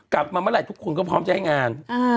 กลับมาเมื่อไหร่ทุกคนก็พร้อมจะให้งาน